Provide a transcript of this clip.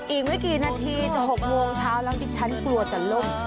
อีกไม่กี่นาทีจะ๖โมงเช้าแล้วดิฉันกลัวจะล่ม